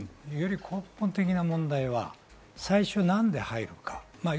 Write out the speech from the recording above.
根本的な問題は最初なんで入るか。